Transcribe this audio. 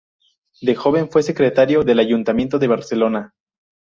De joven fue secretario del ayuntamiento de Barcelona.